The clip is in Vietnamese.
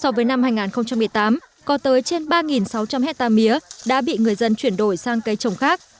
so với năm hai nghìn một mươi tám có tới trên ba sáu trăm linh hectare mía đã bị người dân chuyển đổi sang cây trồng khác